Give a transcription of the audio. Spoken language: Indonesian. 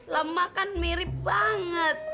lama kan mirip banget